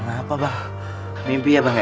apa mimpi ya bang ya